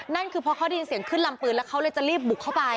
นั่นคือพอเขาได้ยินเสียงขึ้นลำปืนแล้วเขาเลยจะรีบบุกเข้าไป